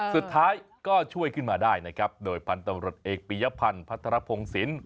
สุดท้ายก็ช่วยขึ้นมาได้นะครับโดยพันธุ์ตำรวจเอกปียพันธ์พัทรพงศิลป